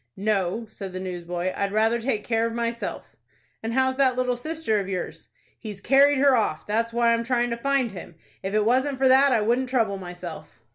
"No," said the newsboy; "I'd rather take care of myself." "And how's that little sister of yours?" "He's carried her off. That's why I'm tryin' to find him. If it wasn't for that I wouldn't trouble myself."